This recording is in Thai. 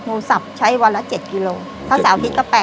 สับใช้วันละ๗กิโลถ้าเสาร์อาทิตย์ก็๘๐